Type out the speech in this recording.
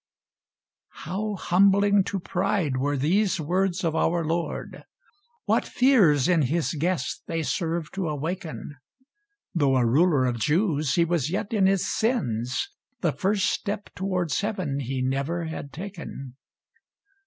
How humbling to pride were these words of our Lord, What fears in his guest they serve to awaken; Though a ruler of Jews, he was yet in his sins; The first step towards heaven he never had taken.